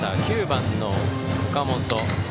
９番の岡元。